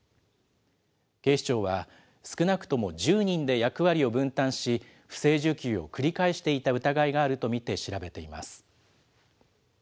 警視庁は、少なくとも１０人で役割を分担し、不正受給を繰り返していた疑いがあると見て調べています。